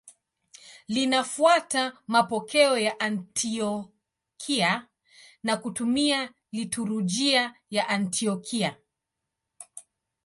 Linafuata mapokeo ya Antiokia na kutumia liturujia ya Antiokia.